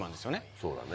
そうだね。